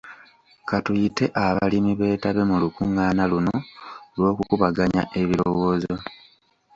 Ka tuyite abalimi beetabe mu lukungaana luno lw'okukubaganya ebirowoozo.